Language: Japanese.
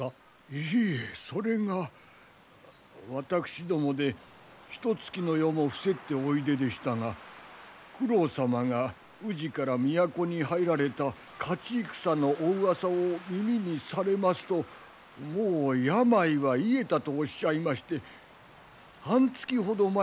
いいえそれが私どもでひとつきの余も伏せっておいででしたが九郎様が宇治から都に入られた勝ち戦のおうわさを耳にされますともう病は癒えたとおっしゃいまして半月ほど前に京の方へお戻りに。